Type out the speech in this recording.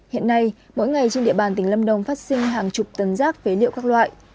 hiện nay mỗi ngày trên địa bàn tỉnh lâm đồng phát sinh hàng chục tấn rác phế liệu các loại